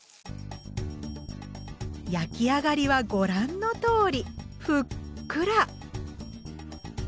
焼き上がりはご覧のとおりふっくら！